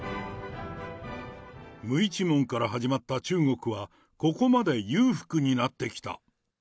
無一文から始まった中国は、ここまで裕福になってきた。